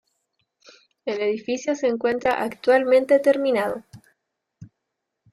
El edificio se encuentra actualmente terminado.